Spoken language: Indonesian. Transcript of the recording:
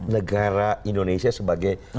negara indonesia sebagai